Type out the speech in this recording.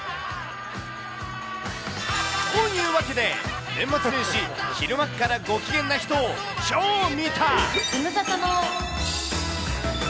というわけで、年末年始、昼間からご機嫌な人を超見た！